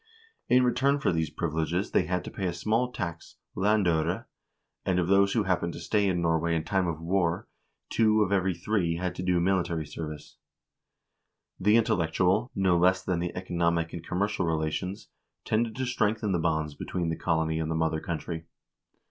In return for these privileges they had to pay a small tax, landfire, and of those who happened to stay in Norway in time of war, two of every three had to do military service. The intellectual, no less than the economic and commercial relations, tended to strengthen the bonds between the colony and the mother country.